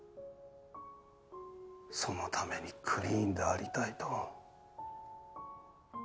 そのためにクリーンでありたいと。